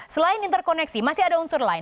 selain interkoneksi masih ada unsur lain